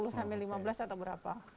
sepuluh sampai lima belas atau berapa